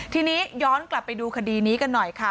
ทีนี้ย้อนกลับไปดูคดีนี้กันหน่อยค่ะ